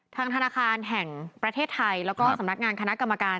ธนาคารแห่งประเทศไทยแล้วก็สำนักงานคณะกรรมการ